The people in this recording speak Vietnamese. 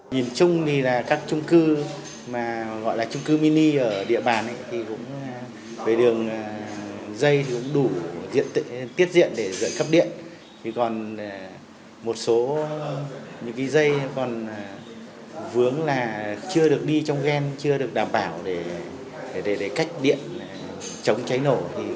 để cơ thể cũng đủ tiết diện để giữ cấp điện còn một số dây vướng chưa đi trong ven chưa được đảm bảo để cắt điện chống cháy nổ